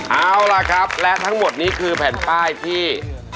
เอาล่ะครับและทั้งหมดนี้คือแผ่นป้ายที่